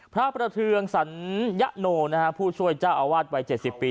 พระพระเทืองสัญญโนนะฮะผู้ช่วยเจ้าอาวาสไป๗๐ปี